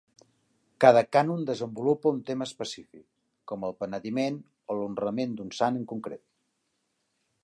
Cada cànon desenvolupa un tema específic, com el penediment o l'honrament d'un sant en concret.